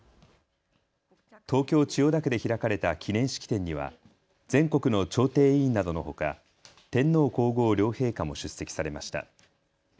東京千代田区で開かれた記念式典には全国の調停委員などのほか天皇皇后両陛下も出席されました。